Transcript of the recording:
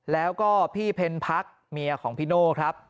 แล้วก็พี่เพ็ญพักเมียของพี่โน่ครับ